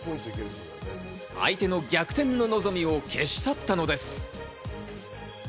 相手の逆転の望みを消し去ったのです。